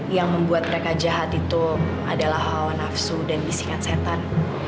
yang membuat mereka jahat itu adalah hawa nafsu dan bisikan setan